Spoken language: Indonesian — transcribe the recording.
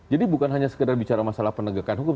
jadi bukan hanya sekedar bicara masalah penegakan hukum